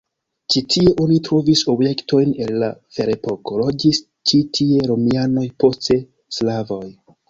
Ĉi tie oni trovis objektojn el la ferepoko, loĝis ĉi tie romianoj, poste slavoj.